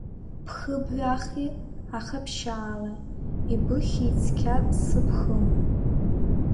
Бхы бҩахи, аха ԥшьаала, ибыхьи цқьа сыбхым.